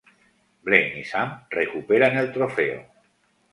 Blaine y Sam recuperan el trofeo.